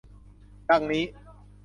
ดังนี้